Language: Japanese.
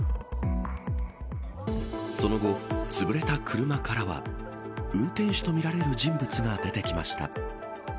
その後、つぶれた車からは運転手とみられる人物が出てきました。